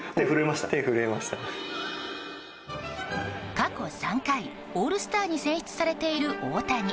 過去３回、オールスターに選出されている大谷。